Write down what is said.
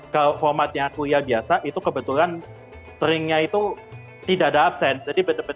kalau formatnya kuliah biasa itu kebetulan sering nya itu si tidak ada absens jadi benar benar